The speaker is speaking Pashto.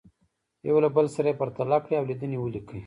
یو له بل سره یې پرتله کړئ او لیدنې ولیکئ.